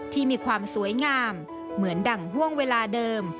ที่มีความสวยงามเหมือนดั่งห่วงเวลาเดิม